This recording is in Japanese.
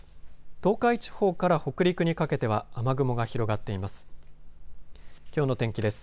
東海地方から北陸にかけては雨雲が広がっています。